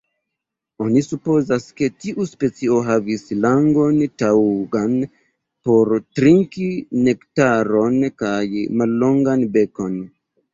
Oni supozas, ke tiu specio havis langon taŭgan por trinki Nektaron kaj mallongan bekon.